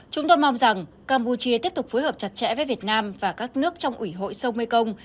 chúng tôi mong rằng campuchia tiếp tục phối hợp chặt chẽ với việt nam và các nước trong ủy hội sông mekong